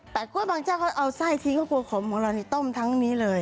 แต่ว่าบางเจ้าเอาสร้ายทิ้งเขาควรคมหรือละหล่ะนี่ต้มทั้งนี้เลย